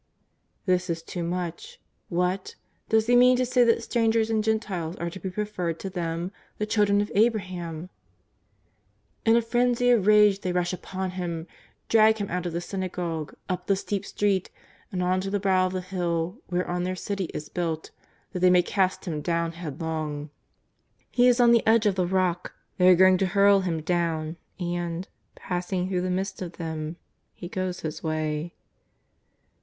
''* This is too much. What ! does He mean to say that strangers and Gentiles are to be preferred to them, the children of Abraham ! In a frenzy of rage they rush JESUS OF ISTAZAEETH. 169 upon Him, drag Him out of the synagogue up the steep street and on to the brow of the hill whereon their city is built, that they may cast Him down headlong. He is on the edge of the rock, they are going to hurl Him down, and — passing through the midst of them He goes His way.